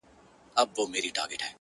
کښتۍ هم ورڅخه ولاړه پر خپل لوري-